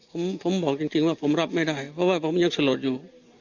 ผมผมบอกจริงว่าผมรับไม่ได้เพราะว่าผมยังสลดอยู่